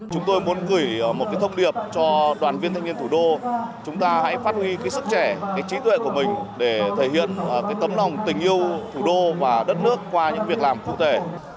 chúng tôi muốn gửi một thông điệp cho đoàn viên thanh niên thủ đô chúng ta hãy phát huy sức trẻ trí tuệ của mình để thể hiện tấm lòng tình yêu thủ đô và đất nước qua những việc làm cụ thể